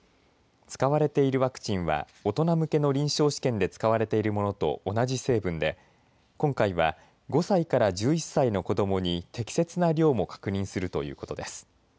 使われているワクチンは大人向けの臨床試験で使われているものと同じ成分で今回は５歳から１１歳の子どもに適切な量も確認するということです。